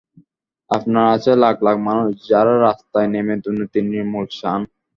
আপনার আছে লাখ লাখ মানুষ, যাঁরা রাস্তায় নেমে দুর্নীতির নির্মূল চান।